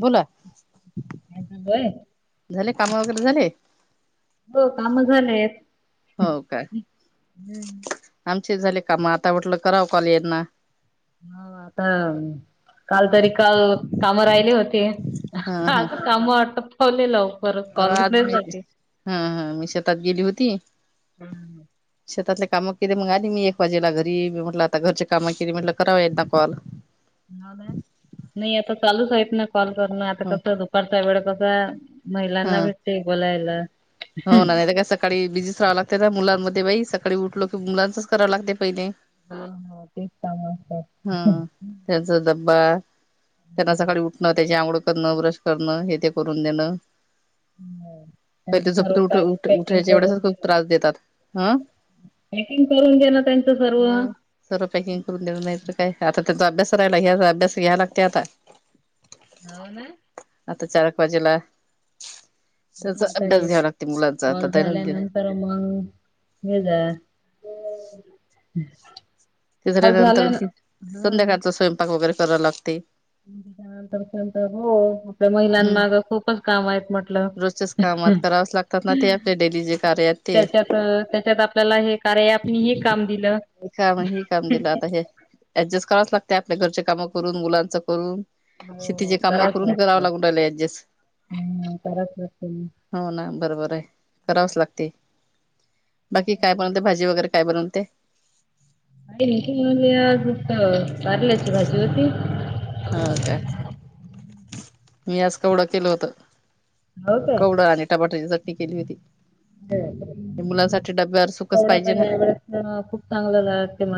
बोला काय चालूय? झाले. काम वगैरे झाले. हो काम झालेय. हो काय झाले का मग आता वाटलं कराव कॉल यांना. हा आता. काल तरी काल काम राहिली होती आता काम वाटत पावलेलं. अ आज मी हा हा मी शेतात गेली होती. हो शेतातले काम केले मग आधी मी एक वाजेला घरी म्हटलं आता घरच्या काम केली म्हटलं कराव येत ना कॉल हो ना नाही आता चालूच आहेत ना कॉल करण आता ह कस दुपारचा वेळ कसा हा महिलांना भेटते बोलायला. हो ना नाही तर काय सकाळी बिझीच राहावं लागतं ना मुलांमध्ये बाई सकाळी उठलो की मुलांच करावं लागते पहिले. हा हा तेच कामा. हा त्यांचा डब्बा त्यांना सकाळी उठणं त्याची आंघोळ करणं ब्रश करणं हे ते करून देणं. हो. पहि त्यांचं ते सर्व झोपत पॅक उ पॅकिंग उठायच्या करून वेळेसच खूप देणं. त्रास देतात हं. पॅकिंग करून देणं त्यांचं सर्व. ह सरापैकी करून देणार नाही तर काय आता. त्याचा अभ्यास राहिला ह्या अभ्यास घ्या लागते आता. ह ना. आता चारक बाजूला तर. मी आता कॉल झाल्यानंतर मग हे जा. हम्. तिसऱ्या नंतर संध्याकाळचा स्वयंपाक वगैरे कराव लागते. त्याच्यानंतरंत हो आपल्या हम्म महिलांना खूपच काम आहेत म्हटलं. रोजच्याच कामात करावच लागतात ना ते आपले डेली जे कार्य आहेत ते हे त्याच्यात त्याच्यात आपल्याला हे कार आप हे का. दिलं. काम हे काम दिलं आता हे ऍडजस्ट करावच लागते आपल्या घरच्या काम करून मुलांच करून. शेतीचे हो काम करावच करून लागत करावं लागू ऍडजस्ट. हम्म करावच लागत मग. हो ना बरोबर आहे करावंच लागते. बाकी काय बनते भाजी वगैरे काय बनलते. ख म्हणज आज कारल्याची भाजी होती. हा काय मी आज कवढं केलं होत. हो काय. कवडा आणि टमाट्याची चटणी केली होती. हम्. मुलांसाठी डब्यावर सुकच एवढं का पाहिजे ना आवड खूप चांगलं जाते म.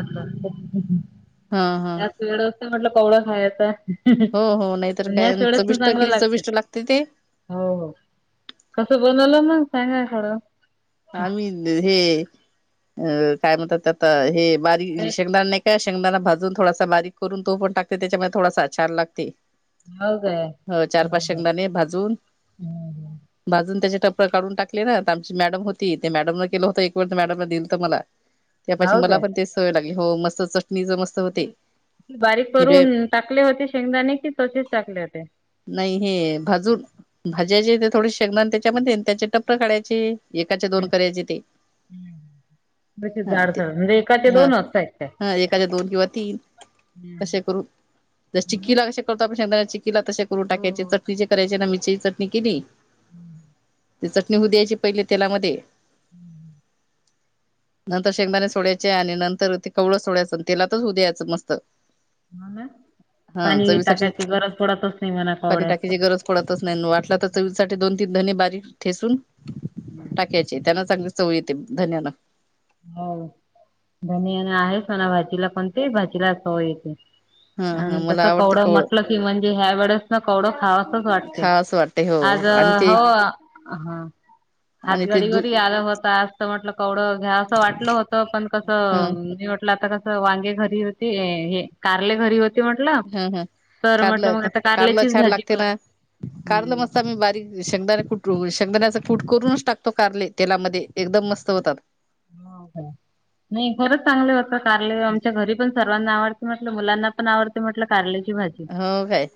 हा हा त्यात वेळ म्हटलं पवळं खायचं. हो हो नाहीतर या काय ते एढच ना चविष्ट चांगलं किती लागते चविष्ट ते हो हो. कसं बनवलं मग सांगा खरं. आम्ही हे अ काय म्हणतात आता हे बारीक शेंगदाणे नाही. शेंगदाना भाजून थोडासा बारीक करून तो पण टाकते त्याच्यामध्ये थोडासा छान लागते. हाव काय ह चार पाच हम्म शेंगदाने भाजून हम्म. भाजून त्याच्या. टपर काढून टाकले ना तर आमची मॅडम होती ते मॅडम न केलं होता एक वे मॅडम न दिल तर मला त्या पा हाव मला काय पण ते सवय लागली हो मस्त चटणी ज मस्त होते बारीक हिरव्या करून टाकले होते शेंगदाणे कि तसेच टाकले होते नाही हे भाजून ते थोडे शेंगदाणे त्याच्यामध्ये त्याचे टपर काढयचे. एकाच्या दोन करायचे ते तसेच हा ते जाडसर म्हणजे एकाचे हा दोनच आहेत काय? हा एकाच्या दोन किंवा तीन कसे करू ज हो ना. चिक्कीला कसे करत पण तसे करून हो टाकायचे चटणी जे करायचे ना मीरची चटणी केली हम्म ते चटणी होऊ द्यायची पहिले तेलामध्ये. हम्म नंतर शेंगदाणे सोडायचे आणि नंतर ते कवळं सोडायचं तेलातच होऊ द्यायचं मस्त. हला हा चवीसाठी म्हणा पाणी कोवड्यात. टाकायची गरज पडतच नाही वाटला तर चवीसाठी दोन धने बारीक ठेचून टाकायचे त्यांना चांगली चव येते. हो धने आहेच म्हणा भाजीला कोणत्याही भाजीला चव येते. हा हा आणि मला तसं आवडते कवडं कवळं म्हटल की म्हणजे ह्या वेळेस ना कवडं खावासच वाटते. खास वाटते हो आज आणि ते हो. हा आणि ते दू हातगाडीवरही आलं होत आज म्हटलं कवडं घ्या. असं वाटलं होत पण कस ह आता कस वांगे घरी होते हे कारले घरी होते. म्हटलं हम् हम् तर म्हटलं मग आता कारलं कारल्याचीच छान भाजी लागते ना. कर कारल हम्म मस्त आम्ही बारीक शेंगदान कुठून कुट करूनच टाकतो कारले तेलामध्ये एकदम मस्त होतात हो नाही खरच चांगले होत कारले आमच्या घरी पण सर्वांना आवडते. म्लाना पण आवड म्हट कारची भाजी हो काय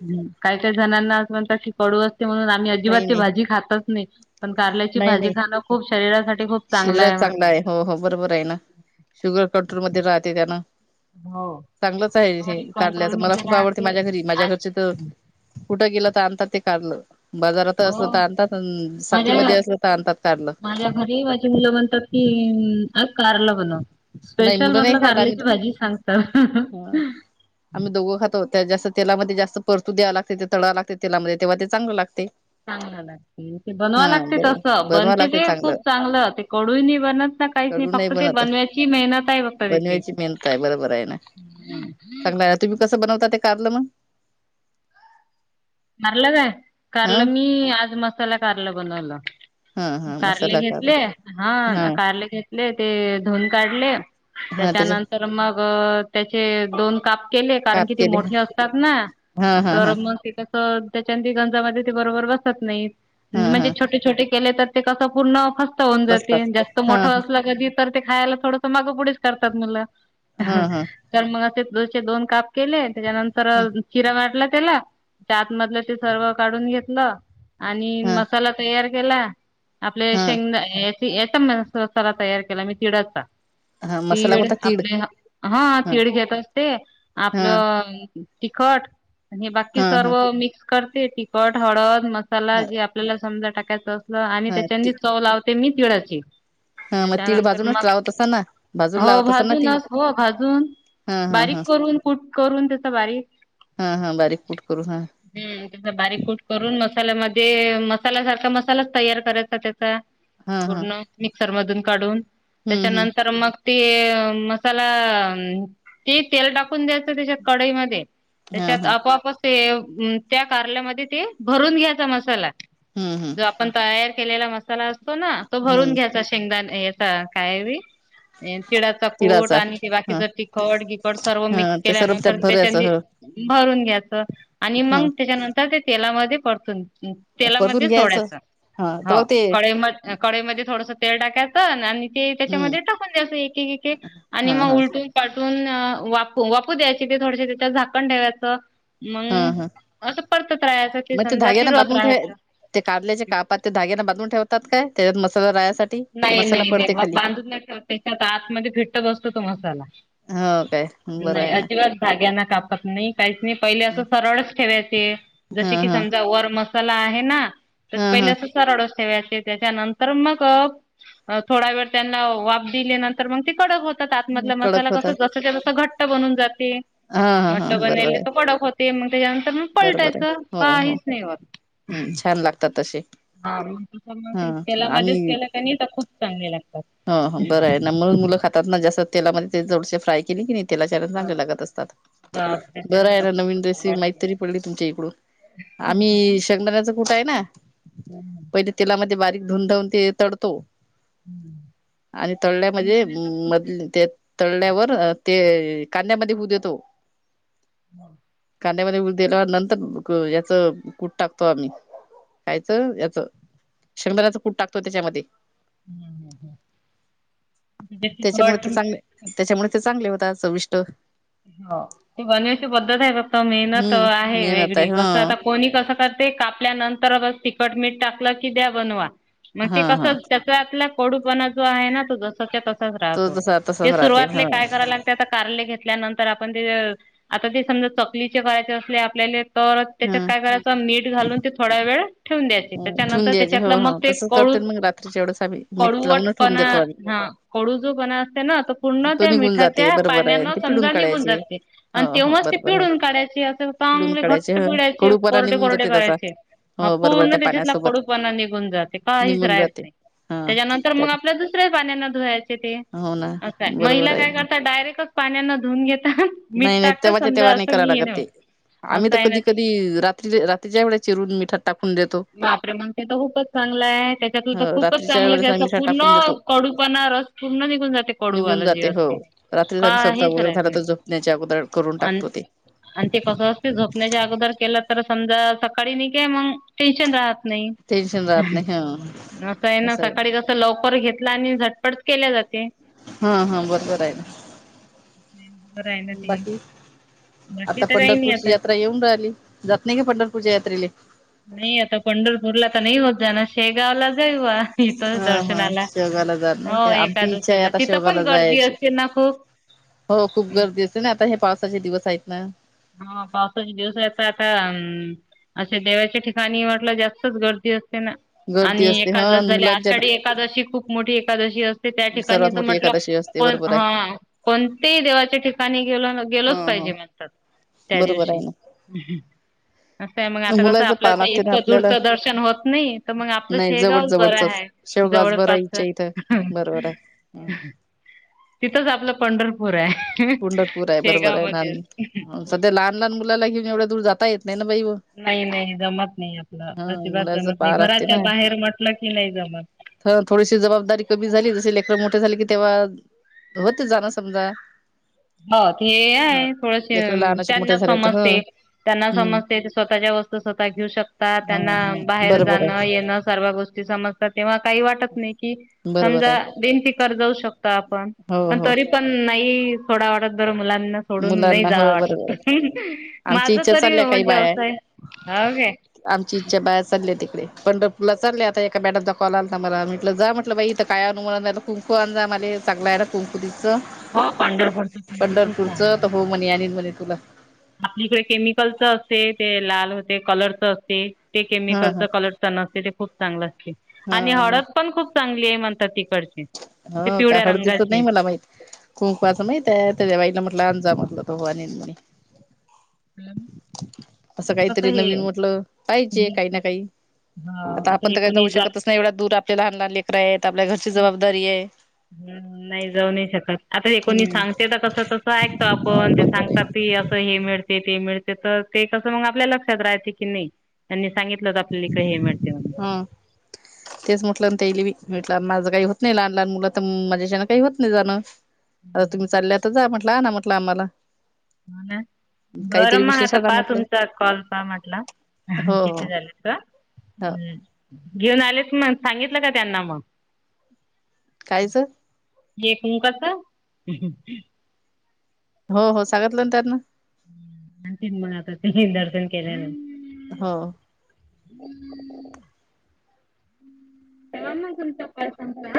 का का जणना अस म्हण क पळू असत म्हणून आम्ही नाही अजिबात नाही भाजी खातच नाही पण कारल्याची नाही भाजी नाही खाण खूप शरीसाठी चांगल असत. खूप चांगलं शरीरात आहे चांगला म्हटल हो हो बरोबर आहे ना शुगर कंट्रोल मध्ये राहते त्यानं हो चांगलंच आहे हे बॉडी कंट्रोल कारल्याचं मला मध्ये खूप आवडते राहते माझ्या घरी माझ्या आणि घरचे तर आवडीने खातात. कुठं गेलं तर आणतात ते कारल बाजारात असलं हो तर आणतात सााती माझ्या मध्ये असलं तर आणतात कारलं मु म्हणतात की कारल बण नाही स्पेशल मुलं नाही मधलं खात कारल्याची आम्ही भाजी सांगत आम्ही दोघं खातो त्यात जास्त तेलामध्ये जास्त परतू द्याव लागते ते तळावा लागते तेलामध्ये तेव्हा ते चांगलं लागते. चांगलं लागते ते हा बनवा लागते बरोबर तसं बनवा बनते लागते ते खूप चांगलं ते कडू नाही बनत. काहीच नाही कडू फक्त ते बनत. बनव्याची मेहनत आहे फक्त त्याची चांगलाय तुम्ही कसं बनवता ते कारल मग. मलं काय हा कारलं मी आज मसाला कारल बनवलं. हा हा कारले मसाला कारलं घेतले हा कारले घेतले ते धुवून काढले हा त्याचे त्याच्यानंतर मग त्याचे दोन काप केले. के कारण काप की ते केले मोठे असतात ना हा हा हा तर मग ते. त्याा बरोबर बत नाही हा म्हजे हा छोटे छ के तर ते कस पूर्ण फस्त होऊन जाते बसतात जास्त हा मोठं असला कधी तर ते खायला थोडस माग पुढच करतात म हा हा कारण मग अस दोनशे दोन काप केले त्याच्यानंतर शिरा वाटला त्याला त्यात मधलं ते सर्व काढून घेतलं आणि हा मसाला तयार केला. आपले हा शेंगदान याचा म मसाला तयार केला मी तिडाचा हा मसाला तिळ कोणता तीड आपले हा तिळ घेत असते हा आपलं. तिखट आणि हे बाकी हा हा सर्व मिक्स करते तिखट हळद मग मसाला हा जी आपल्याला समजा टाकायचं असलं आणि हा ती त्याची चव लावते मी तिळाची हा मग तीळ त्याच्यानंतर भाजूनच मग लावत असा ना भाजून हो लावत असा ना तीळ भाजूनच हो भाजून. हा हा हा बारीक करून कुठ करून त्याचा बारीक हा हा बारीक पुुठ. हम् त्याचा बारीक कूट करून मस्त. मसाल्यामध्ये मसाल्यासारखा मसालाच तयार करायचा त्याचा हा हा पूर्ण र मधून काढून हम्म हम्म त्याच्यानंतर मग ते मसाला ती तेल टाकून द्यायचं त्याच्यात कढईमध्ये हा त्याच्यात हा आपाआप त्या कारल्यामध्ये ते भरून घ्यायचा मसाला हम्म हम्म जो आपण तयार केलेला मसाला असतो ना तो भरून हम्म घ्यायचा शेंगदा काय ब तिड्याचा कूट तिळाचा आणि हा बाकीच तिखट गखड सर्व हा मिक्स ते सर्व त्यात केल्यानंतर त्याच्या भरायचं ह भरून घ्यायचं आणि ह मग त्याच्यानंतर ते तेलामध्ये परतून परतून तेलामध्ये घ्यायचं सोडायच हा तर हो मग ते क म कळेमध्ये थोडस ते टाकायचं आणि ते हम्म त्याच्यामध्ये टाकून द्यायचं एक एक आणि हा मग हा उलटून वाू वापू द्यायचे ते थोडसे त्याच्या झाकण ठेवायचं. हा हा मग असं परतत राहायचं ते मग समजा धाग्याना तिरत बांधून ठेवा राहायचं. ते काल्याचे कापात ते धग्याना बधून ठेवतात काय त्याच्यात मसाला रास. नाही नाही नाही मग बांधून नाही ठत त्याच्यात आतमध्ये भिट्टत बसतो तो मसाला हो काय बरं नाही आहे ना अजिबात धग्या ना काप त नाही काहीच नाही पहिले असं सरळच ठेवायचे हा जसे की हा समजा वर मसाला आहे ना. तर हा पहिले हा अस स रडस ठेवायचे त्याच्यानंतर मग थोडा वेळ त्यांना वाब दिली नंतर मग ते कडक हो. धला मसाला कडक कस होतात जस घट्ट बनून जाते हा हा हा घट्ट बन बरोबर आहे तर पडक होत. त्याच्यानंतर म बरोबर आहे पलटायचं हो हो काहीच नाही होत. हम्म छान लागतात तसे हा म हा केलामध्येध्येच आम्ही केलं क खूप चांगले लाग. हो बरं आहे ना मून मुलं खातात ना जास्त तेलामध्ये ते जड फ्राय केली की नाही. तेला च हा, चांगले लागत असतात. बापरे बर त्यांना आहे तर ना खूपच नवीन रेसपी माहीत आवडते तरी पडली तुमच्या इकडून आम्ही शंगदाण्याच आहे ना पहिले तेलामध्ये बारीक धुून धाून ते तडतो. आणि तळल्या म्हणजे शेंगदाण्याच खूप मध ते तळल्यावर ते कांद्यामध्ये भूद येतो. हम्म. कांद्यामध्ये उ दिल्या नंतर याच कूट टाकतो आम्ही कायचं याच शधनाच कूट टाकतो त्याच्यामध्ये त्याच्यामुळे ते तिखट चांगले त्याच्यामुळे ते चांगले होता चविष्ट हो ते गनची पद्धत आहे फक्त मेहनत हम्म आहे मेहनत वेगळी आहे हा कसं आता कोणी कसं कर. ते कापल्यानंतर तखट मीठ टाकलं की द्या बनवा मग ते हा कस हा त्या डपणा ज आहे तो ज तच तो राहतो तसा ते तसाच राहते हा सुरुवातले काय कराय लागते कार. आपण आता ते समजा चकलीचे करायचे असले आपल्याला तर हा त्याच्यात काय करायचं मीठ घालून ते थोडा वेळ. ठेून द्यायचे ठेवून त्याच्यानंतर द्यायचे हो त्याच्यात मग हो ते तसंच कळू करते मग रात्रीच्या वेळेस आम्ही मीठ लावून ठेवून देतो कळुवटपणा आम्ही डू जो बन असते ना पूर्ण तो त्या निघून जाते मिठाच्या बरोबर आहे पाण्यान. ते पिडून समजा निघून काढायचे जात हो आणि हो तेव्हाच ते बरोबर आहे पिडून काढायचे अस पिडून चांगले घट काढायचे ह पिडायचे. कडूपणा कोरडे निघून जाते त्याचा करायचे हा हो बरोबर पूर्ण त्या देशतला पाण्यासोबत कडूपणा निघून जाते काहीच निघून राहत जाते नाही. हा त्याच्यानंतर मग त्यात आपल्या दुसऱ्याच पाण्याना धुवायचे ते हो ना असं. बरोबर महिला आहे काय करतात डायरेक्टच पाण्याना धुऊून घेतात मीठ नाही नाही टाकत तेव्हाच्या समजा तेव्हा नाही असं कराव मी ये न. लागत ते आम्ही तर कधी कधी रात्री रात्रीच्या वेळे चिरून मिठा बापरे मग ते त खूपच चांगलंये, त्याच्यातलं तर हो खूपच रात्रीच्या चांगलं जे वेळेस अस आम्ही मिठात पूर्ण टाकून देतो कडूपणा पुर्ण निघून जाते. निघून कडूवालं जे जाते हो असते. रात्री स्वयंपाक काहीच वगैरे राहत झाला, नाही. तर झोपण्याच्या अगोदर करून अन टाकतो ते. आणि ते कसं असते झोपण्याच्या अगोदर केलं तर समजा सकाळी न कय मग टेन्शन राहत. नई, टेन्शन राहत नाही हा कस आहे ना सकाळी कस लवकर घेत आणि झटपट केल्या जाते. हा हा बरोबर आहे. बर आहे ना ते. बाकी आता तर काही नाही पंढरपूरची आता. यात्रा येऊन राहिली जात नाही का पंढरपूरच्या यात्रेले. नाही आता पंढरपूरला तर नाही होत जाण शेगावला जाऊ. तिथं हा हा दर्शनाला शेवगाला जात नाही हो का एका आमची इच्छा आहे दिुशीला आता तिथं शेवगाला पण गर्दी जायची असते ना खूप हो खूप गर्दी असते ना आता हे पावसाचे दिवस आहेत ना हा पावसाचे दिवस आता आता अम अे देवाच्या ठिकाणी म्हटलं जास्तच गर्दी असते गर्दी आणि असते हा एकाद झाल्या मुलांच्या आषाढी एकादशी खूप मोठी एकादशी असते त्या ठिकाणी सर्वात मोठी एकादशी असते म्हटलंण बरोबर आहे कोणतही देवाच्या ठिकाणी गेल गेलोच हा पाहिजे हा म्हणतात त्या बरोबर दिवशी आहे असं आहे मग ना आता कसं मुलाच आपल्याच पाहा लागते ना इतकं आपल्याला दूरचं दर्शन होत नाही तर मग आपलं नाही जवळ शेगावच बरं जवळचच आहे. शेवगास जवळपच बराईच्या इथं बरोबर आहे तिथंच आपलं पंढरपूरेय. पंढरपूरे बरोबरे, लहान सध्या लहान लहान मुलाला घेऊन एवढ्या दूर जाता येत नाही ना बाई व नाही नाही जमत नाही. आपलं हा अजिबात मुलाच जमत नाही पा घराच्या बाहेर म्हटलं की, नाही जमत. तर थोडीशी जबाबदारी कमी झाली. लेकर मोठे झाले की तेव्हा होते जाण समजा. हो ते ह आहे थोडेसे लेकर लहानाचे त्यांना मोठे झाले तर ह समजते. त्यांना हम्म समजते स्वतःच्या वस्तू स्वतः घेऊ शकता ह त्यांना ह बाहेर बरोबर जाणं आहे येणं सर्व गोष्टी ते समस तेव्हा काही वाटत नाही? कि बरोबर आहे समजा बनतीकार जाऊ शकत आपण हो पण हो तरी पण नइ थोडा वाटत बर मुला या ना सोडून नाही मुलांना हो जाव बरोबर आहे वाटत माझ आमची इच्छा तरी चालल्या काही म्हणजे बाया असं हाय हे आमची इच्छा बाहेर चालली आहे तिकडे पणपुला चालले आता एका बॅटाचा कॉल आलाता मला म्हटलं जा म्हटलं बाई इथं काय अनुमनुन जा आले सगलायला तुमकु हो पंढरपरच खूप तर हो म्हणे आणीन म्हणे तुला आपलीकडे केमिकलच असते ते लाल हो ते कलरच असते ते हा हा केमिकलचा कलर च न असते ते खूप चांगलं असते आणि हा मग हळद पण खूप चांगली आहे म्हणतात तिकडची ते ह का पिवळ्या हळदीच रंगाची नाही मला माहित कुंकवाचं माह आहे त्याच्या बाईला म्हटलं अंजा म्हटलं होोवा नि नाही मम असं काहीतरी नवीन म्हटलं पाहिजे काही ना काही आता आपण हे तर काय जाऊ कोणी जात शकतच नाही एवढा दूर आपल्या लहान लहान लेकरा आहेत आपल्या घरची जबाबदारी आहे ह नाही जाऊन नाही शकत आता हे कोणी हम्म सांगते तर कस कसं ऐकतो हो आपण ते बरोबर आहे सांगतात की मिळ ते मिळते तर ते कस म आपल्या लक्षात राहायच की नाही त्यां सित हा तेच म्हटलंंत येल वि म्हटलं माझं काही होत नाही लहान लहान मुलं तर माझ्याशीं काही होत नाही जाणं आता तुम्ही चालल्यातच म्हटला ना म्हटलं आम्हाला ह ना काहीतरी बरं मग विशेष आता आणा पाहा म्हटलं तुमचा कॉल पाहा म्हटला हो हो किती झाला हो घेऊन आलेस मग सांगितलं का त्यांना मग कायच येम कस हो हो सांगितलं ना त्यांना तन मगता ते दर्शन केले ना [unintelligible] हो तेव्हा मग तुमचा पर्सनचा